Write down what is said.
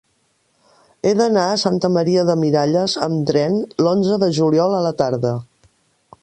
He d'anar a Santa Maria de Miralles amb tren l'onze de juliol a la tarda.